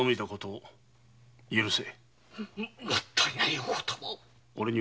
もったいないお言葉を。